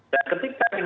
dan ketika investasi ini